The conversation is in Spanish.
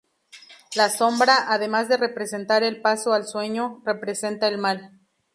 La sombra, además de representar el paso al sueño, representa el mal.